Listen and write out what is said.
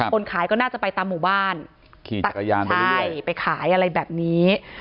คนขายก็น่าจะไปตามหมู่บ้านไปขายอะไรแบบนี้